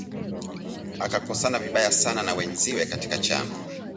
akakosana vibaya sana na wenziwe katika chama